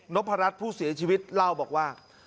พรัชผู้เสียชีวิตเล่าบอกว่า